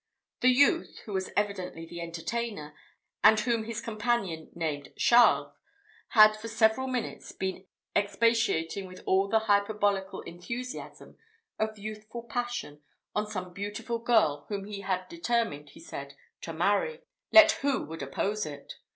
The youth, who was evidently the entertainer, and whom his companion named Charles, had for several minutes been expatiating with all the hyperbolical enthusiasm of youthful passion on some beautiful girl whom he had determined, he said, to marry, let who would oppose it.